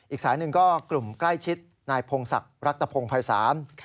อีกสายหนึ่งก็กลุ่มใกล้ชิดนายพงศักดิ์รัตภงภัยศาล